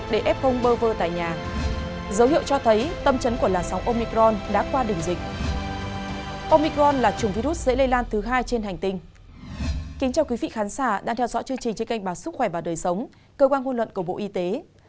các bạn đã theo dõi chương trình trên kênh bà sức khỏe và đời sống cơ quan hôn luận của bộ y tế